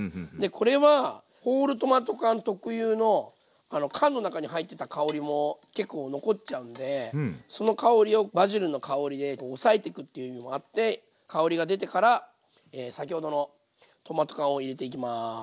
これはホールトマト缶特有の缶の中に入ってた香りも結構残っちゃうんでその香りをバジルの香りで抑えていくっていう意味もあって香りが出てから先ほどのトマト缶を入れていきます。